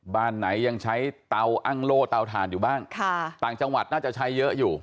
บ้านไหนยังใช้เตาอ้างโล่เตาถ่านอยู่บ้างต่างจังหวัดน่าจะใช้เยอะอยู่